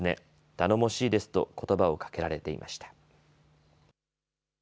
頼もしいですとことばをかけられていました。